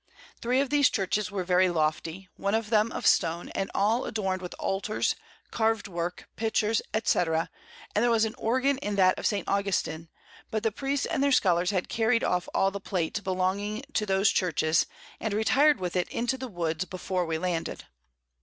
Three of these Churches were very lofty, one of them of Stone, and all adorn'd with Altars, carv'd Work, Pictures, &c. and there was an Organ in that of St. Augustin; but the Priests and their Scholars had carry'd off all the Plate belonging to those Churches, and retir'd with it into the Woods before we landed.